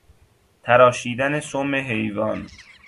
تراشیدن سم حیوان